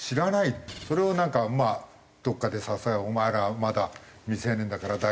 それをなんかまあどっかで「お前らはまだ未成年だから大丈夫だ」